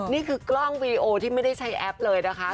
นี่คือกล้องวีดีโอที่ไม่ได้ใช้แอปเลยนะคะ